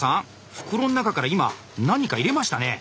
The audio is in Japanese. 袋の中から今何か入れましたね？